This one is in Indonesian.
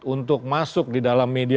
untuk masuk di dalam media